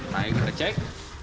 nah kita cek